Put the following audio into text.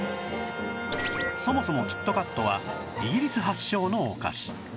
そもそもキットカットはイギリス発祥のお菓子